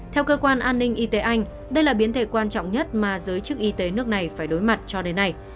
theo cơ quan an ninh y tế anh đây là biến thể quan trọng nhất mà giới chức y tế nước này phải đối mặt cho đến nay